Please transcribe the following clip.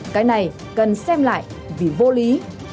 cái này cần xem lại vì vô lý